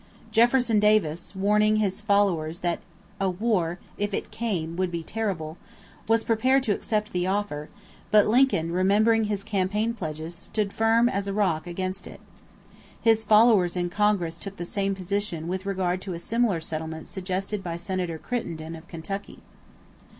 Jefferson Davis, warning his followers that a war if it came would be terrible, was prepared to accept the offer; but Lincoln, remembering his campaign pledges, stood firm as a rock against it. His followers in Congress took the same position with regard to a similar settlement suggested by Senator Crittenden of Kentucky.